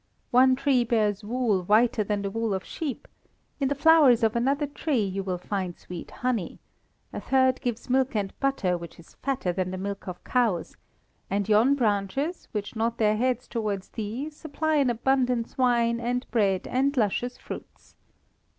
One tree bears wool whiter than the wool of sheep; in the flowers of another tree you will find sweet honey; a third gives milk and butter which is fatter than the milk of cows; and yon branches which nod their heads towards thee supply in abundance wine and bread and luscious fruits.